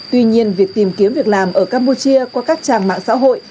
tuy nhiên việc tìm kiếm việc làm ở campuchia qua các trang mạng xã hội